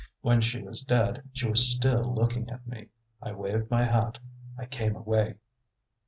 When she was dead she was still looking at me. I waved my hat; I came away."